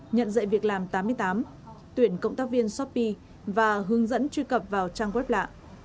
nhận dạy việc làm tám mươi tám tuyển cộng tác viên shopee và hướng dẫn truy cập vào trang web lạ